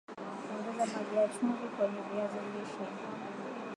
ongeza maji na chumvi kwenye viazi lishe